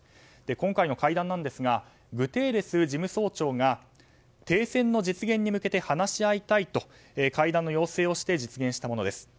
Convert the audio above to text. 今回の会談ですがグテーレス事務総長が停戦の実現に向けて話し合いたいと会談の要請をして実現したものです。